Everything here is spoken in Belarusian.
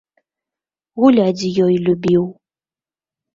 Гуляць з ёй любіў.